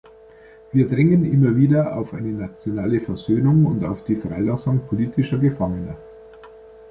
Wir drängen immer wieder auf eine nationale Versöhnung und auf die Freilassung politischer Gefangener.